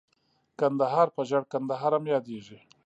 کندهار په ژړ کندهار هم ياديږي.